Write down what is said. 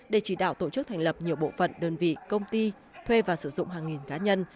để chỉ đạo tổ chức thành lập nhiều bộ phận đơn vị công ty thuê và sử dụng hàng nghìn cá nhân